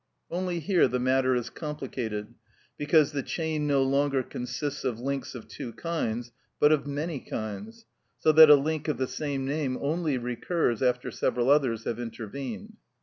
Only here the matter is complicated, because the chain no longer consists of links of two kinds, but of many kinds, so that a link of the same name only recurs after several others have intervened.